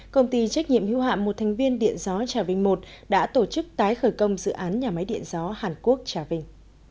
công ty trách nhiệm hưu hạm một thành viên điện gió trà vinh i đã tổ chức tái khởi công dự án nhà máy điện gió hàn quốc trà vinh